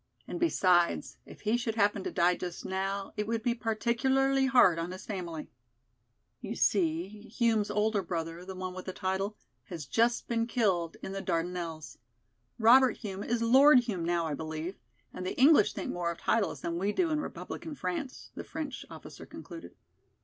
And besides, if he should happen to die just now, it would be particularly hard on his family. You see, Hume's older brother, the one with the title, has just been killed in the Dardanelles. Robert Hume is Lord Hume now, I believe, and the English think more of titles than we do in Republican France," the French officer concluded.